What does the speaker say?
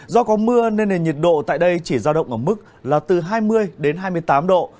do có mưa nên nền nhiệt độ tại đây chỉ giao động ở mức là từ hai mươi đến hai mươi tám độ